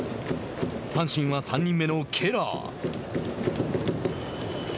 阪神は３人目のケラー。